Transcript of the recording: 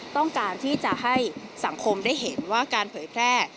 ต้องการที่จะให้สังคมได้เห็นว่าการเผยแพร่